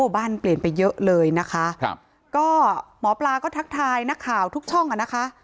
บ้านเปลี่ยนไปเยอะเลยนะคะครับก็หมอปลาก็ทักทายนักข่าวทุกช่องอ่ะนะคะ